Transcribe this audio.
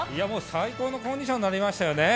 最高のコンディションになりましたよね。